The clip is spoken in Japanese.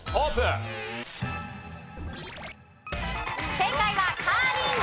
正解はカーリング。